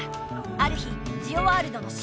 ある日ジオワールドのシンボル